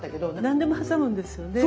何でも挟むんですよね。